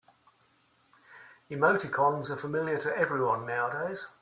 Emoticons are familiar to everyone nowadays.